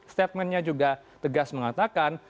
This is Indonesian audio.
statementnya juga tegas mengatakan